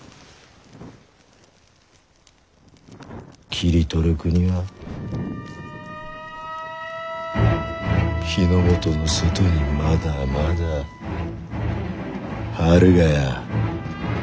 切り取る国は日ノ本の外にまだまだあるがや。